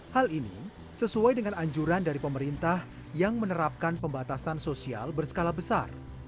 hal ini sesuai dengan anjuran dari pemerintah yang menerapkan pembatasan sosial berskala besar